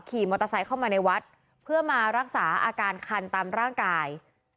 ขี่มอเตอร์ไซค์เข้ามาในวัดเพื่อมารักษาอาการคันตามร่างกาย